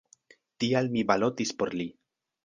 Tial mi balotis por li.